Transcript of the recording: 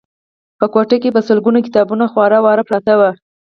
په کوټه کې په سلګونه کتابونه خواره واره پراته وو